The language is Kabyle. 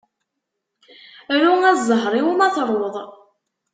Ru a zzheṛ-iw ma truḍ.